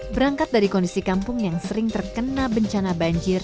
berangkat dari kondisi kampung yang sering terkena bencana banjir